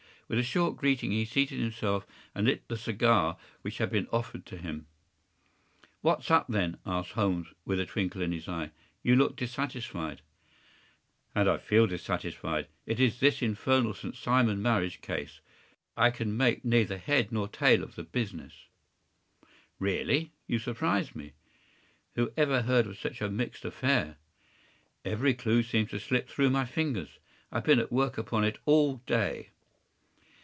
With a short greeting he seated himself and lit the cigar which had been offered to him. “What’s up, then?” asked Holmes, with a twinkle in his eye. “You look dissatisfied.” “And I feel dissatisfied. It is this infernal St. Simon marriage case. I can make neither head nor tail of the business.” “Really! You surprise me.” “Who ever heard of such a mixed affair? Every clew seems to slip through my fingers. I have been at work upon it all day.